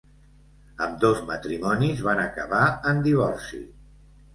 Ambdós matrimonis van acabar en divorci.